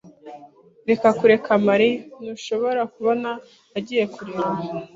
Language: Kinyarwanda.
Reka kureka Mariya. Ntushobora kubona agiye kurira?